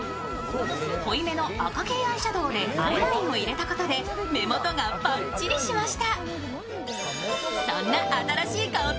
濃いめの赤系アイシャドーで、アイラインを入れたことで目元がパッチリしました。